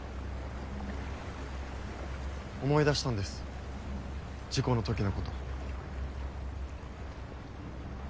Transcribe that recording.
思い出したんです事故のときのこと。